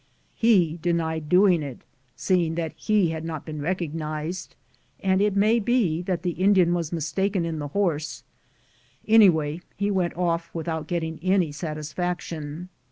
He denied doing it, seeing that he had not been recognized, and it may be that the Indian was mistaken in the horse; anyway, he went off without getting any satisfaction.'